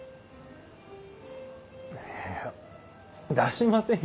いや出しませんよ